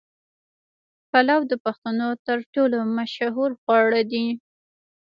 پلو د پښتنو تر ټولو مشهور خواړه دي.